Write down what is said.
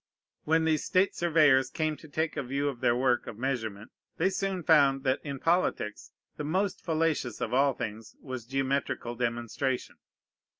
When these state surveyors came to take a view of their work of measurement, they soon found that in politics the most fallacious of all things was geometrical demonstration.